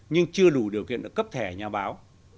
nhưng chưa đủ điều kiện được cấp thẻ nhà báo